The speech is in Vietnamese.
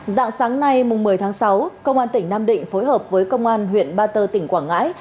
dạng sáng nay một mươi tháng sáu công an tỉnh nam định phối hợp với công an huyện ba tơ tỉnh quảng ngãi